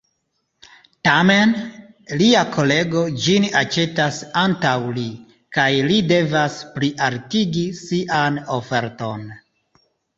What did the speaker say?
Tamen, lia kolego ĝin aĉetas antaŭ li, kaj li devas plialtigi sian oferton.